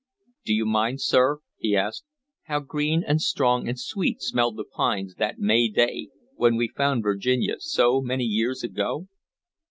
"Do you mind, sir," he asked, "how green and strong and sweet smelled the pines that May day, when we found Virginia, so many years ago?"